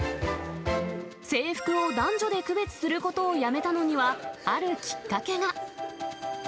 制服を男女で区別することをやめたことには、あるきっかけが。